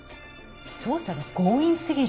捜査が強引すぎる。